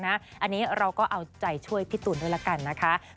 อันนี้เราก็เอาใจช่วยพี่ตูนด้วยละกันนะคะ